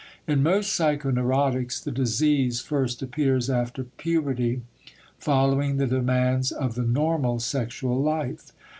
In most psychoneurotics the disease first appears after puberty following the demands of the normal sexual life.